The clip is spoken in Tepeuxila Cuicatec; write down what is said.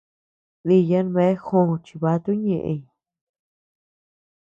Diya bea jòò chivato ñeʼëñ.